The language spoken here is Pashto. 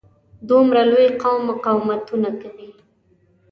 دومره لوی قوم مقاومتونه کوي.